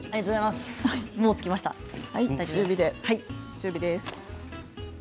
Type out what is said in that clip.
中火です。